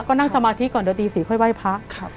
ก็นั่งสมาธิก่อนเดี๋ยวตี๔ค่อยไหว้พระ